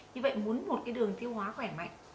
như vậy muốn một cái đường thiêu hóa khỏe mạnh